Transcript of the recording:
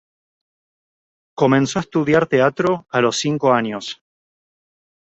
Comenzó a estudiar teatro a los cinco años.